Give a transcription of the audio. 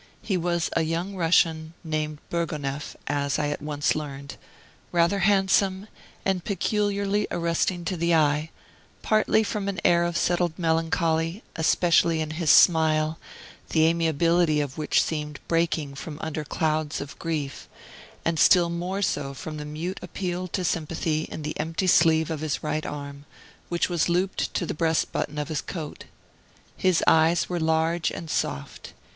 He was a young Russian, named Bourgonef, as I at once learned; rather handsome, and peculiarly arresting to the eye, partly from an air of settled melancholy, especially in his smile, the amiability of which seemed breaking from under clouds of grief, and still more so from the mute appeal to sympathy in the empty sleeve of his right arm, which was looped to the breast button of his coat. His eyes were large and soft.